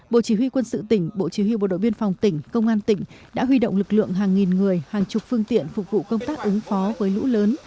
bộ chỉ huy quân sự tỉnh bộ chỉ huy bộ đội biên phòng tỉnh công an tỉnh đã huy động lực lượng hàng nghìn người hàng chục phương tiện phục vụ công tác ứng phó với lũ lớn